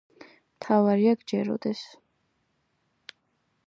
მთავარია გჯეროდეს